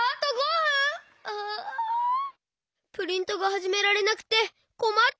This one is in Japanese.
プリントがはじめられなくてこまった！